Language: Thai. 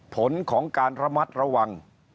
ผลของการระมัดระวัง